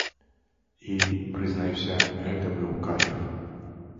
І, прызнаюся, гэта быў кайф!